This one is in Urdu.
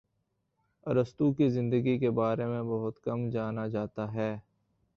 ارسطو کی زندگی کے بارے میں بہت کم جانا جاتا ہے